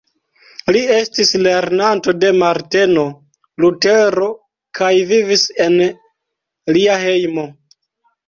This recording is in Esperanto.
Li estis lernanto de Marteno Lutero kaj vivis en lia hejmo.